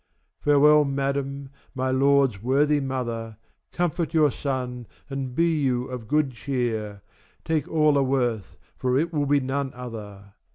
Farewell Madam, my lord's worthy mother,11 Comfort your son and be you of good cheer, Take all a worth, for it will be none other.